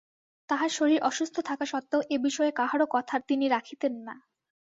তাঁহার শরীর অসুস্থ থাকা সত্ত্বেও এ-বিষয়ে কাহারও কথা তিনি রাখিতেন না।